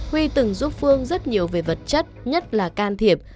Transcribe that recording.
huy từng giúp phương rất nhiều về vật chất nhất là can thiệp